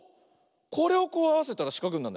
これをこうあわせたらしかくになる。